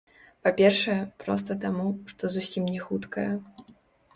Па-першае, проста таму, што зусім не хуткая.